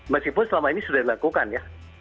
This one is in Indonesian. meskipun selama ini sudah dilakukan ya